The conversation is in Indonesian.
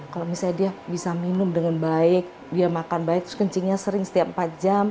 kalau misalnya dia bisa minum dengan baik dia makan baik terus kencingnya sering setiap empat jam